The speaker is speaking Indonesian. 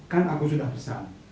kan aku sudah pesan